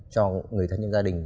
cho người thân nhân gia đình